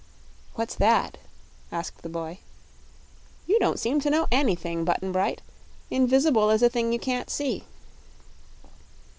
"What's that?" asked the boy. "You don't seem to know anything, Button Bright. Invis'ble is a thing you can't see."